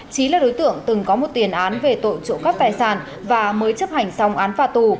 trí là đối tượng từng có một tiền án về tội trộm cắp tài sản và mới chấp hành xong án phạt tù